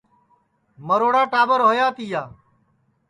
مروڑا ٹاٻر ہویا تِیا